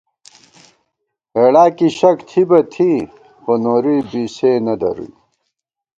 ہېڑا کی شَک تھِی بہ تھی، خو نوری بی سے نہ درُوئی